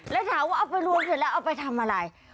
แล้วถามว่าเอาไปรวมเสร็จแล้วเอาไปทำอะไร